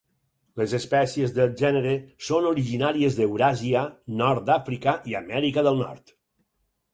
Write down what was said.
Les espècies del gènere són originàries d'Euràsia, Nord d'Àfrica i Amèrica del Nord.